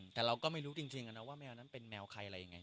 แต่เราก็ไม่รู้จริงนะว่าแมวนั้นเป็นแมวใครอะไรยังไง